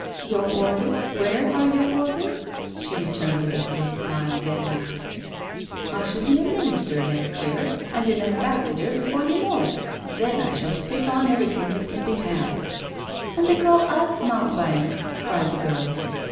"Your orders where are your orders?" she returned with a sweet smile, getting up. "I shall be a minister next year and an ambassador before you know it. Then I shall stick on everything that can be had." "And they call us mountebanks!" cried the girl.